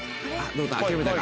どうだ？